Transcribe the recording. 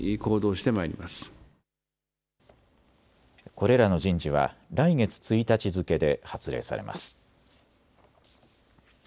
これらの人事は来月１日付けで発令されます。